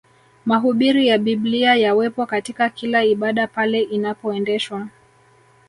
Mahubiri ya Biblia yawepo katika kila ibada pale inapoendeshwa